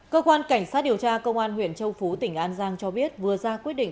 cơ quan cảnh sát điều tra công an huyện châu phú tỉnh an giang cho biết vừa ra quyết định